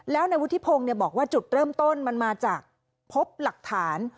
แล้วในวุฒิพงศ์บอกว่าจุดเริ่มต้นมันมาจากพบหลักฐาน